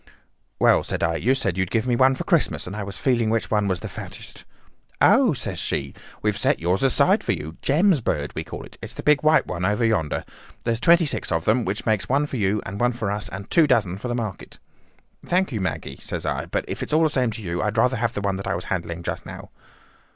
"'Well,' said I, 'you said you'd give me one for Christmas, and I was feeling which was the fattest.' "'Oh,' says she, 'we've set yours aside for you—Jem's bird, we call it. It's the big white one over yonder. There's twenty six of them, which makes one for you, and one for us, and two dozen for the market.' "'Thank you, Maggie,' says I; 'but if it is all the same to you, I'd rather have that one I was handling just now.